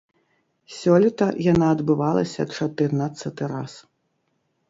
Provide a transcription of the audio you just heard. Сёлета яна адбывалася чатырнаццаты раз.